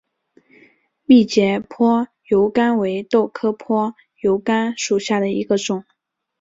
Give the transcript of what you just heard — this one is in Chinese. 密节坡油甘为豆科坡油甘属下的一个种。